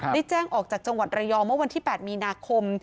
ได้แจ้งออกจากจังหวัดระยองเมื่อวันที่๘มีนาคม